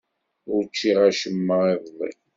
Ur ččiɣ acemma iḍelli.